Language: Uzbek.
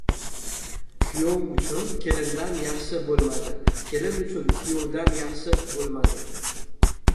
Kuyov uchun kelindan yaxshi bo‘lmadi, kelin uchun kuyovdan yaxshi bo‘lmadi.